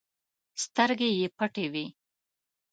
سترګې يې پټې وې.